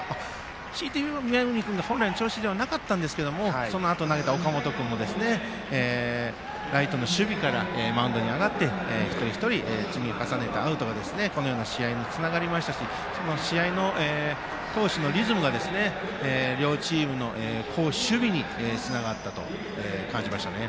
しいて言うならば宮國君は本来の調子ではなかったんですがそのあと投げた岡本君もライトの守備からマウンドに上がって一人一人、積み重ねたアウトがこのような試合につながりましたし投手のリズムが両チームの好守備につながったと感じましたね。